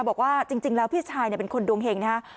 บอกว่าจริงแล้วพี่ชายเป็นคนดวงเห็งนะฮะ